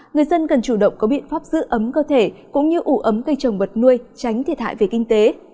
người dân cần chủ động có biện pháp giữ ấm cơ thể cũng như ủ ấm cây trồng vật nuôi tránh thiệt hại về kinh tế